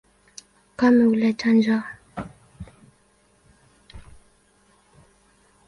Ukame huleta njaa.